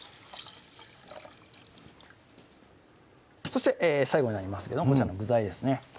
そして最後になりますけどこちらの具材ですね